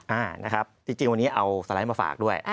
อ่านะครับจริงวันนี้เอาสไลด์มาฝากด้วย